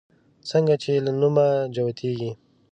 څنگه چې يې له نومه جوتېږي